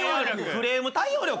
クレーム対応力？